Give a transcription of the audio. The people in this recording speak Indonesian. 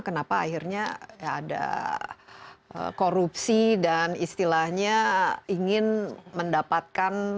kenapa akhirnya ada korupsi dan istilahnya ingin mendapatkan